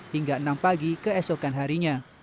hingga enam pagi keesokan harinya